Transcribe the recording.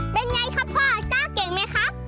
เป็นไงครับพ่อต้าเก่งไหมครับ